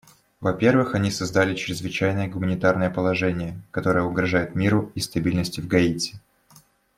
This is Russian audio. Во-первых, они создали чрезвычайное гуманитарное положение, которое угрожает миру и стабильности в Гаити.